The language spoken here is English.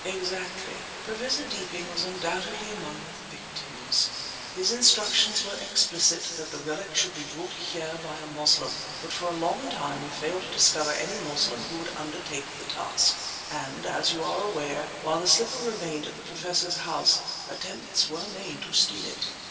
"Exactly. Professor Deeping was undoubtedly among the victims. His instructions were explicit that the relic should be brought here by a Moslem, but for a long time we failed to discover any Moslem who would undertake the task; and, as you are aware, while the slipper remained at the Professor's house attempts were made to steal it."